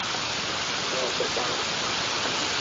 ¡ que no, pesada!